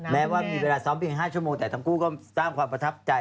แม้ว่ามีเวลาซ้อมเพียง๕ชั่วโมงแต่ทั้งคู่ก็สร้างความประทับใจ